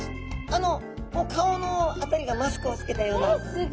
あのもう顔の辺りがマスクをつけたような。